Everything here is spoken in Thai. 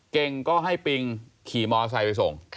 เก่งก็ให้ปิงขี่มอไซค์ไปส่ง